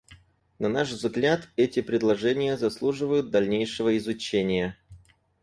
На наш взгляд, эти предложения заслуживают дальнейшего изучения.